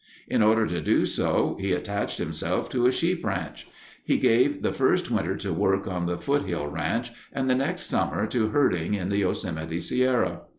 In order to do so, he attached himself to a sheep ranch. He gave the first winter to work on the foothill ranch and the next summer to herding in the Yosemite Sierra.